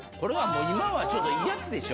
今はちょっといいやつでしょ。